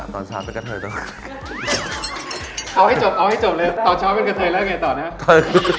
ตอนเช้าเป็นกะเทยตอนเช้าเป็นกะเทยแล้วไงต่อนะ